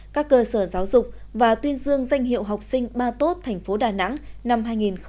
các cơ sở giáo dục và tuyên dương danh hiệu học sinh ba tốt thành phố đà nẵng năm hai nghìn một mươi chín